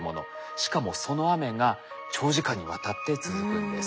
しかもその雨が長時間にわたって続くんです。